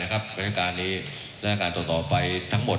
ประชาการนี้แรกการต่อไปทั้งหมด